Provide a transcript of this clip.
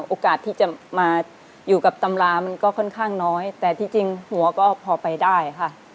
โอกาสที่จะมาอยู่กับตำรามันก็ค่อนข้างน้อยแต่ที่จริงหัวก็พอไปได้ค่ะ